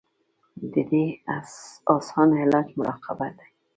د دې اسان علاج مراقبه دے -